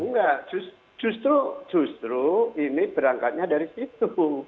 enggak justru ini berangkatnya dari situ